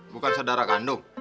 bukan saudara kandung